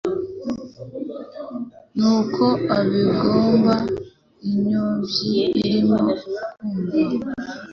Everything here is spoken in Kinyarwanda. Nuko abigamba inyombyi irimo kumva